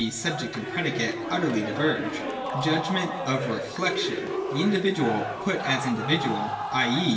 e. subject and predicate utterly diverge. (|3) Judgment of Reflection. 174.] The individual put as individual ii. e.